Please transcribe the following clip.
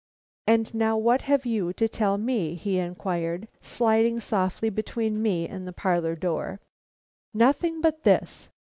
"And now what have you to tell me?" he inquired, sliding softly between me and the parlor door. "Nothing but this.